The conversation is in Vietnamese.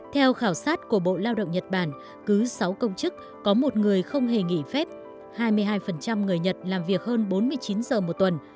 theo khảo sát của bộ lao động nhật bản cứ sáu công chức có một người không hề nghỉ phép hai mươi hai người nhật làm việc hơn bốn mươi chín giờ một tuần